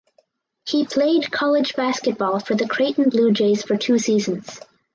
He played college basketball for the Creighton Bluejays for two seasons.